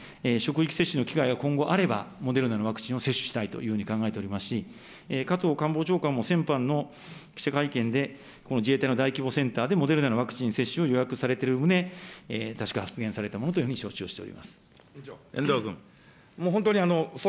私自身も、職域接種の機会が今後あれば、モデルナのワクチンを接種したいというふうに考えておりますし、加藤官房長官も先般の記者会見で、この自衛隊の大規模センターでモデルナのワクチン接種を予約されてる旨、確か、発言されたというふうに承知をしており遠藤君。